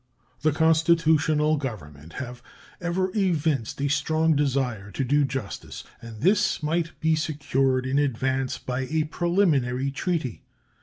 The constitutional Government have ever evinced a strong desire to do justice, and this might be secured in advance by a preliminary treaty.